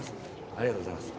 ありがとうございます。